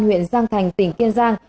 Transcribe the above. huyện giang thành tỉnh kiên giang